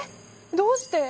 どうして？